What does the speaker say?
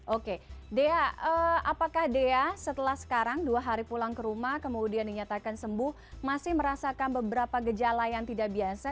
oke dea apakah dea setelah sekarang dua hari pulang ke rumah kemudian dinyatakan sembuh masih merasakan beberapa gejala yang tidak biasa